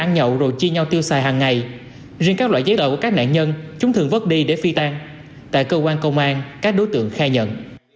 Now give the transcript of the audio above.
nhưng chúng thường vớt đi để phi tan tại cơ quan công an các đối tượng khai nhận